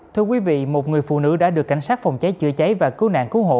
thưa quý vị một người phụ nữ đã được cảnh sát phòng cháy chữa cháy và cứu nạn cứu hộ